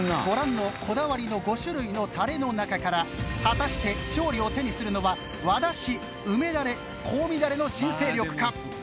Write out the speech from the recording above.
ご覧のこだわりの５種類のたれの中から果たして勝利を手にするのは和だし梅だれ香味だれの新勢力か。